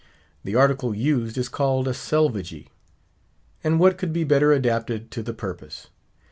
The article used is called a selvagee. And what could be better adapted to the purpose?